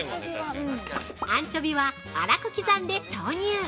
◆アンチョビは粗く刻んで投入。